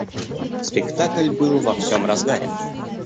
Спектакль был во всем разгаре.